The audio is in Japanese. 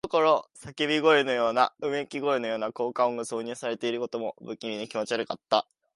ところどころ叫び声のような、うめき声のような効果音が挿入されていることも、不気味で気持ち悪かった。